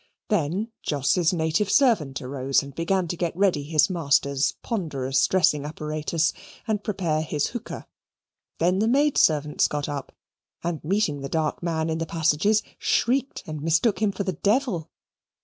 Then Jos's native servant arose and began to get ready his master's ponderous dressing apparatus and prepare his hookah; then the maidservants got up, and meeting the dark man in the passages, shrieked, and mistook him for the devil.